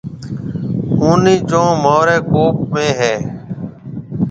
اُونَي چونه مهاريَ ڪوم ۾ هيَ۔